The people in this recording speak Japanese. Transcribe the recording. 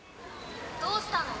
どうしたの。